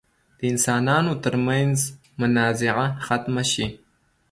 د انسانانو تر منځ منازعه ختمه شي.